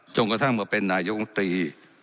จงกระทั่งเมื่อเป็นนายองตรี